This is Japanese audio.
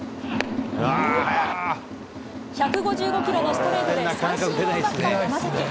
１５５キロのストレートで三振を奪った山崎。